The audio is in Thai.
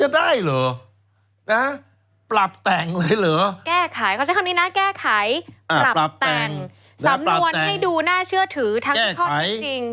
โดย